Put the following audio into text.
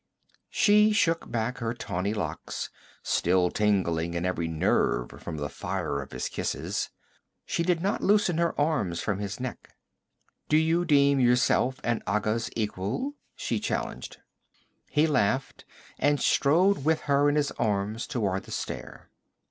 She shook back her tawny locks, still tingling in every nerve from the fire of his kisses. She did not loosen her arms from his neck. 'Do you deem yourself an Agha's equal?' she challenged. He laughed and strode with her in his arms toward the stair.